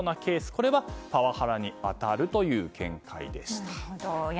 これはパワハラに当たるという見解でした。